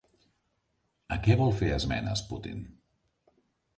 A què vol fer esmenes Putin?